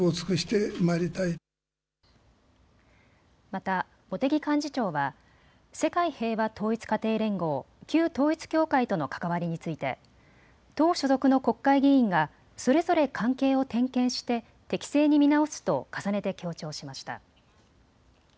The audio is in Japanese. また、茂木幹事長は世界平和統一家庭連合、旧統一教会との関わりについて党所属の国会議員がそれぞれ関係を点検して適正に見直すと重ねて強調しました。